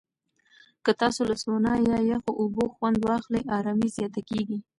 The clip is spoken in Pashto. که تاسو له سونا یا یخو اوبو خوند واخلئ، آرامۍ زیاته کېږي.